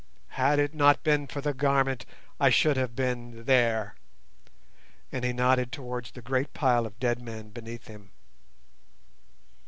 Had it not been for the garment I should have been there," and he nodded towards the great pile of dead men beneath him.